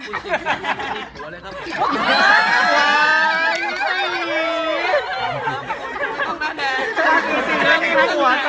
คุณไม่ต้องมาสุดสิบหรอกครับ